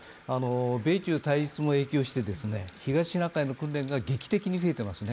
米中対立も影響して、東シナ海の訓練が劇的に増えていますね。